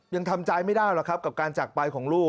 ยังทำใจไม่ได้หรอกครับกับการจากไปของลูก